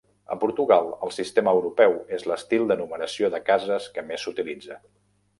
A Portugal, el sistema europeu és l'estil de numeració de cases que més s'utilitza.